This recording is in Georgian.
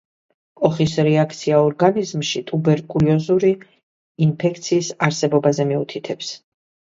კოხის რეაქცია ორგანიზმში ტუბერკულოზური ინფექციის არსებობაზე მიუთითებს.